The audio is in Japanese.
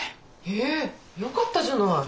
へえよかったじゃない。